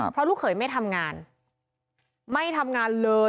เพราะลูกเขยไม่ทำงานไม่ทำงานเลย